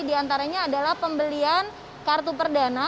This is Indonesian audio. di antaranya adalah pembelian kartu perdana